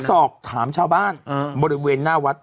สอบถามชาวบ้านบริเวณหน้าวัด